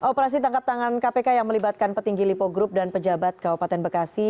operasi tangkap tangan kpk yang melibatkan petinggi lipo group dan pejabat kabupaten bekasi